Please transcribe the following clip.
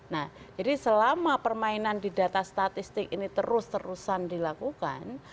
nah jadi selama permainan di data statistik ini terus terusan dilakukan